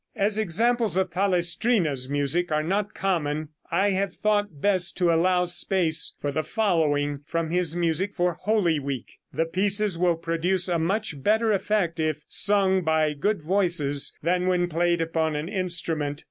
As examples of Palestrina's music are not common I have thought best to allow space for the following from his music for Holy Week. The pieces will produce a much better effect if sung by good voices than when played upon an instrument.